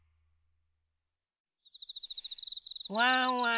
・ワンワン